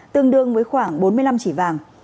tương đương với khoảng bốn mươi năm trị vàng